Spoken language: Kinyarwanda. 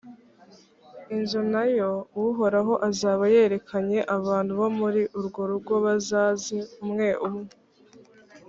inzu na yo uhoraho azaba yerekanye, abantu bo muri urwo rugo bazaze, umwe umwe.